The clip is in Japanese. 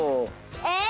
えっ！